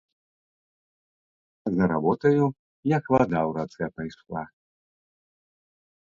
За работаю, як вада ў рацэ, пайшла.